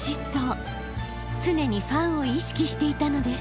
常にファンを意識していたのです。